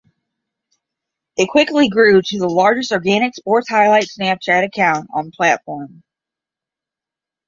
It quickly grew to the largest organic sports highlight Snapchat account on the platform.